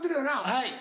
はい。